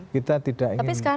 kita tidak ingin tercekam